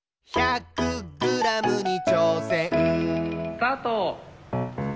・スタート！